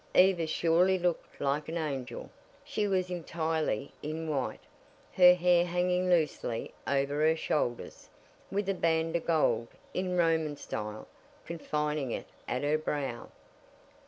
Eva surely looked like an angel. She was entirely in white, her hair hanging loosely over her shoulders, with a band of gold, in Roman style, confining it at her brow.